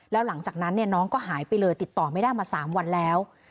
แล้วหลังจากนั้นน้องก็หายไปเลยติดต่อไม่ได้มา๓วันแล้ว